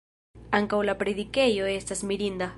Ankaŭ la predikejo estas mirinda.